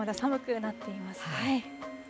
まだまだ寒くなっていますね。